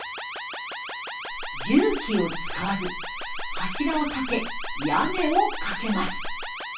重機を使わず柱を立て屋根をかけます。